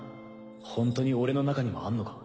ホントに俺の中にもあんのか？